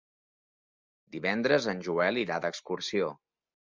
Divendres en Joel irà d'excursió.